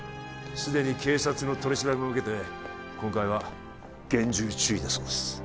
すでに警察の取り調べも受けて今回は厳重注意だそうです